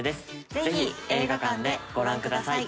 ぜひ映画館でご覧ください。